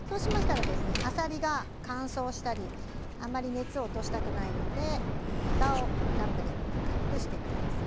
あさりが乾燥したりあまり熱を落としたくないのでラップでふたを軽くしてください。